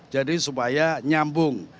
jadi supaya nyambung